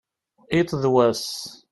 iḍ d wass